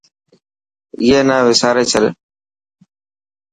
ائي نا وساري ڇڏ.